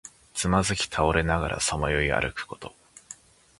つまずき倒れながらさまよい歩くこと。